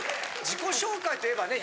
自己紹介といえばね